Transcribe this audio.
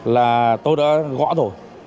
là tôi đã gõ rồi